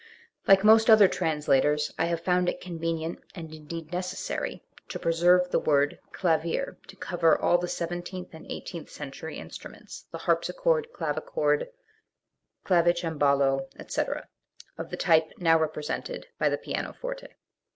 Like most other translators I have found it convenient and indeed necessary to preserve the word "clavier" to cover all the seventeenth and eighteenth century instru ments the harpsichord, clavichord, clavicembalo, &c* of the type now represented by the pianoforte.